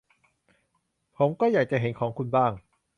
ผมก็อยากจะเห็นของคุณบ้าง